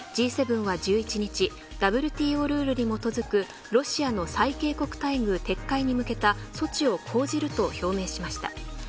Ｇ７は１１日ＷＴＯルールに基づくロシアの最恵国待遇撤回に向けた措置を講じると表明しました。